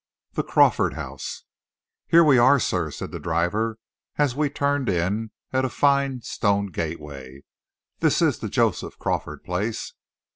THE CRAWFORD HOUSE "Here we are, sir," said the driver, as we turned in at a fine stone gateway. "This is the Joseph Crawford place."